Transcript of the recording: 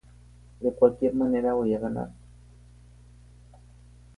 De cualquier manera voy a ganar.